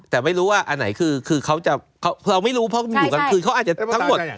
แต่ไม่รู้ว่าอันไหนคือเขาจะเราไม่รู้เพราะอยู่กลางคืนเขาอาจจะทั้งหมด